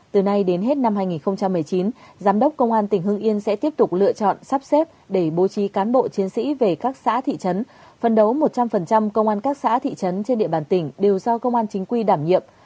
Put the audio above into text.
từ nay đến hết năm hai nghìn một mươi chín giám đốc công an tỉnh hưng yên sẽ tiếp tục lựa chọn sắp xếp để bố trí cán bộ chiến sĩ về các xã thị trấn phân đấu một trăm linh công an các xã thị trấn trên địa bàn tỉnh đều do công an chính quy đảm nhiệm